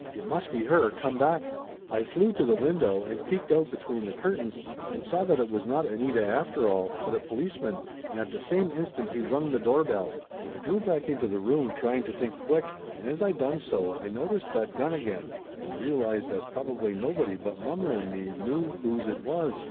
It must be her, come back. I flew to the window and peeked out between the curtains and saw that it was not Anita after all, but a policeman, and at the same instant he rung the doorbell. I drew back into the room trying to think quick, and as I done so I noticed that gun again and realized that probably nobody but mommer and me knew whose it 304 Laughter Limited was.